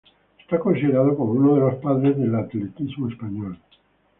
Está considerado como uno de los padres del atletismo español.